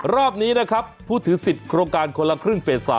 รอบนี้นะครับผู้ถือสิทธิ์โครงการคนละครึ่งเฟส๓